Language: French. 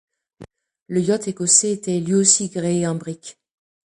Le yacht écossais était, lui aussi, gréé en brick